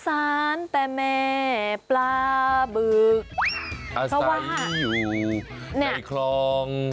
อาสัยอยู่ในคลอง